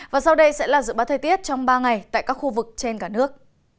và sau đây sẽ là dự báo thời tiết trong ba ngày tại các khu vực trên cả nước